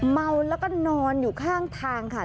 เมาแล้วก็นอนอยู่ข้างทางค่ะ